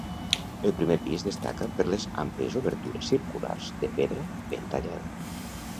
El primer pis destaca per les àmplies obertures circulars de pedra ben tallada.